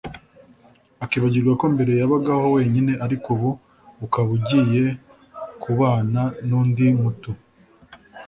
akibagirwa ko mbere yabagaho wenyine ariko ubu ukaba ugiye kubana n’undi mutu